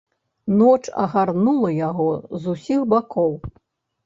Ноч агарнула яго з усіх бакоў.